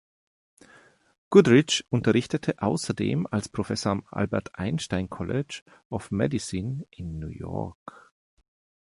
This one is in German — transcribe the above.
Goodrich unterrichtete außerdem als Professor am Albert Einstein College of Medicine in New York.